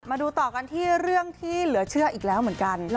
มาดูต่อกันที่เรื่องที่เหลือเชื่ออีกแล้วเหมือนกัน